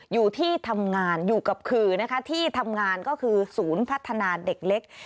อยู่ที่ทำงานอยู่กับขือนะคะที่ทำงานก็คือศูนย์พัฒนาเด็กเล็ก